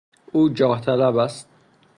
او جاه طلب است.